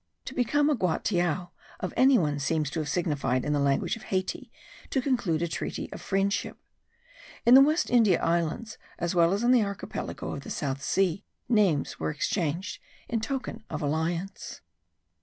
To become a guatiao of any one seems to have signified, in the language of Hayti, to conclude a treaty of friendship. In the West India Islands, as well as in the archipelago of the South Sea, names were exchanged in token of alliance.